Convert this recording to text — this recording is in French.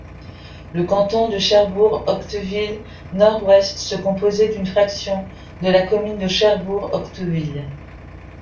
Le canton de Cherbourg-Octeville-Nord-Ouest se composait d’une fraction de la commune de Cherbourg-Octeville.